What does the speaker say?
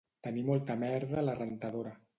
Tenir molta merda a la rentadora